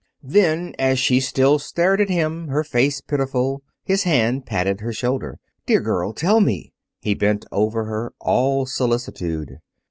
Then, as she still stared at him, her face pitiful, his hand patted her shoulder. "Dear girl, tell me." He bent over her, all solicitude.